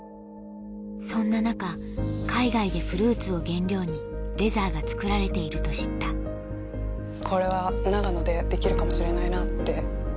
そんな中海外でフルーツを原料にレザーが作られていると知ったこれは長野でできるかもしれないなって。